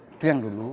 itu yang dulu